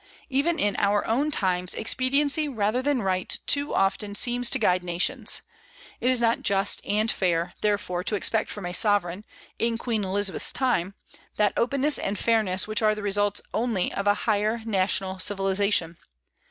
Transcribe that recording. Even in our own times, expediency rather than right too often seems to guide nations. It is not just and fair, therefore, to expect from a sovereign, in Queen Elizabeth's time, that openness and fairness which are the result only of a higher national civilization.